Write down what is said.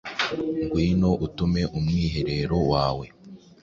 Ngwino, utume umwiherero wawe